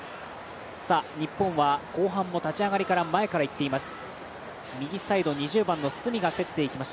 日本は後半も立ち上がりから前からいっています。